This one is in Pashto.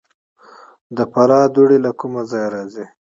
د فراه دوړې له کوم ځای راځي؟